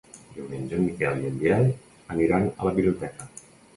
Diumenge en Miquel i en Biel aniran a la biblioteca.